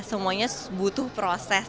semuanya butuh proses